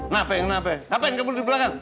nafek nafek ngapain keburu di belakang